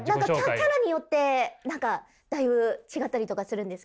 キャラによって何かだいぶ違ったりとかするんですけど。